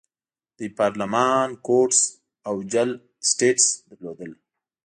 دوی پارلمان، کورټس او جل اسټټس درلودل.